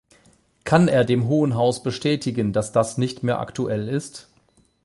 Kann er dem Hohen Haus bestätigen, dass das nicht mehr aktuell ist?